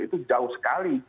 itu jauh sekali